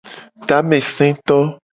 Tameseto.